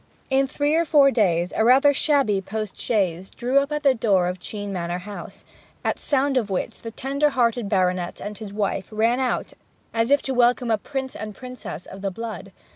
In three or four days a rather shabby post chaise drew up at the door of Chene Manor house, at sound of which the tender hearted baronet and his wife ran out as if to welcome a prince and princess of the blood.